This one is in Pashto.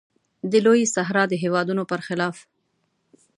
د لویې صحرا د هېوادونو پر خلاف.